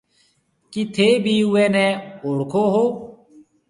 ڪِي ٿَي ڀِي اُوئي نَي اوݪکون هون؟